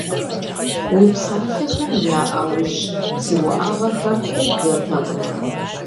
Уи псалъэхэм я Ӏэужь си уӀэгъэхэр къибдзэртэкъым.